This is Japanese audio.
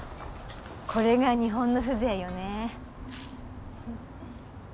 これが日本の風情よね。